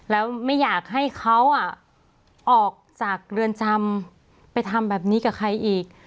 แล้วไม่อยากให้เขาออกจากเรือนจำไปทำแบบนี้กับใครอีก